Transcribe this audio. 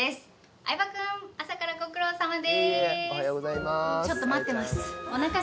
相葉君、朝からご苦労さまです。